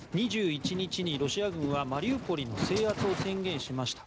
２１日にロシア軍はマリウポリの制圧を宣言しました。